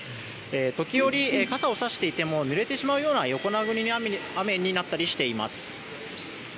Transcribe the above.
時折、傘をさしていてもぬれてしまうような横殴りの雨になったりしています。